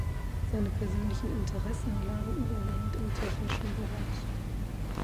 Seine persönlichen Interessen lagen überwiegend im technischen Bereich.